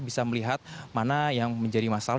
bisa melihat mana yang menjadi masalah